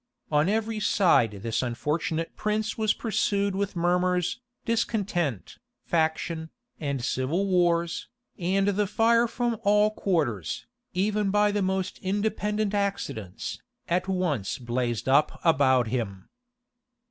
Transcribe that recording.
On every side this unfortunate prince was pursued with murmurs, discontent, faction, and civil wars, and the fire from all quarters, even by the most independent accidents, at once blazed up about him.